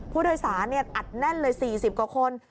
ผู้โดยสารอัดแน่นเลย๔๐กว่าคน